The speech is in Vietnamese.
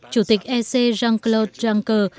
chủ tịch ec jean claude juncker